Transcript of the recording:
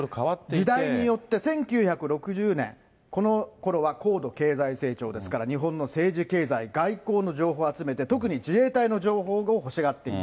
時代によって、１９６０年、このころは高度経済成長ですから、日本の政治・経済・外交の情報を集めて、特に自衛隊の情報を欲しがっていた。